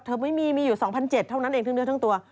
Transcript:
ไม่มีมีอยู่๒๗๐๐เท่านั้นเองทั้งเนื้อทั้งตัว